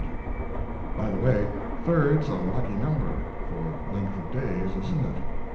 By the way, third's a lucky number for length of days, isn't it?